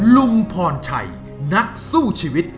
ลุงพรชัยนักสู้ชีวิต